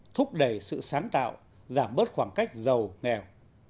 thúc đẩy sự sáng tạo giảm bớt khoảng cách giàu nghèo